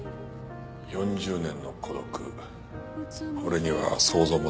４０年の孤独俺には想像もつかない。